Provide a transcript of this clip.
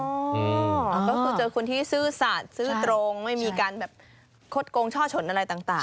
ก็คือเจอคนที่ซื่อสัตว์ซื่อตรงไม่มีการแบบคดโกงช่อชนอะไรต่าง